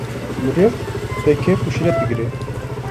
meriv pê kêf û şîret digre.